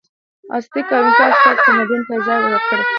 د ازتېک او اینکا سترو تمدنونو ته یې ځای ورکړی و.